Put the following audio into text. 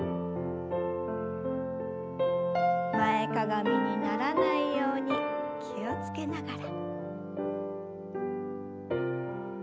前かがみにならないように気を付けながら。